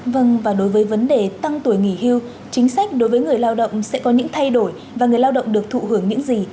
vâng và đối với vấn đề tăng tuổi nghỉ hưu chính sách đối với người lao động sẽ có những thay đổi và người lao động được thụ hưởng những gì